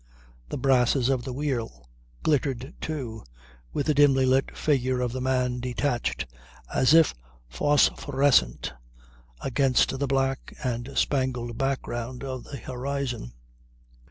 The brasses of the wheel glittered too, with the dimly lit figure of the man detached, as if phosphorescent, against the black and spangled background of the horizon.